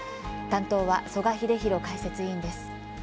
担当は曽我英弘解説委員です。